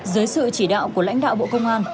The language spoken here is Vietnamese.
dưới sự chỉ đạo của lãnh đạo bộ công an